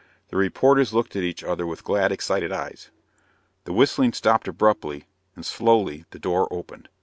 The reporters looked at each other with glad, excited eyes. The whistling stopped abruptly and, slowly, the door opened.